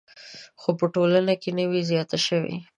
خو په ټوله کې نه ده زیاته شوې